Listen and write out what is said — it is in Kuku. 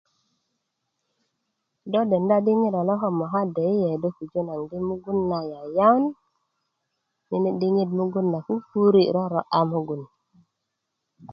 do denda di ŋiro lo ko möka ko deyiye do pujö naŋ di mugun na yayawn nene diŋit mugun na pupuri roro'ya mugun